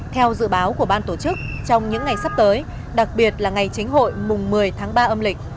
theo dự báo của ban tổ chức trong những ngày sắp tới đặc biệt là ngày chính hội mùng một mươi tháng ba âm lịch